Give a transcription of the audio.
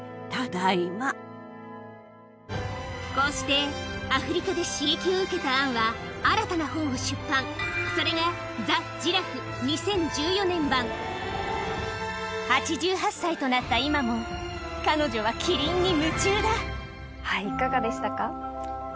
こうしてアフリカで刺激を受けたアンは新たな本を出版それが８８歳となった今も彼女はキリンに夢中だいかがでしたか？